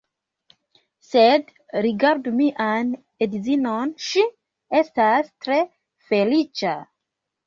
Sed, rigardu mian edzinon, ŝi estas tre feliĉa.